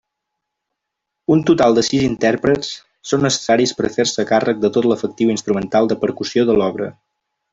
Un total de sis intèrprets són necessaris per a fer-se càrrec de tot l'efectiu instrumental de percussió de l'obra.